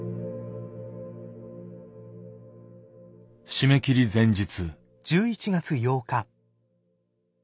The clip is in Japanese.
締め切り前日。